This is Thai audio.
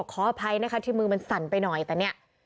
ขออภัยนะคะที่มือมันสั่นไปหน่อยแต่เนี่ย